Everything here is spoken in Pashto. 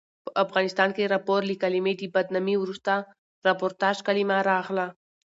په افغانستان کښي راپور له کلمې د بدنامي وروسته راپورتاژ کلیمه راغله.